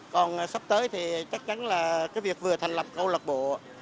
còn sắp tới thì chắc chắn là cái việc vừa thành lập câu lạc bộ